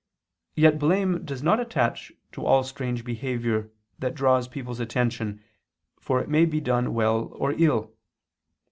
Yet blame does not attach to all strange behavior that draws people's attention, for it may be done well or ill.